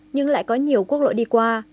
nhưng lại có nhiều quốc lộ đi qua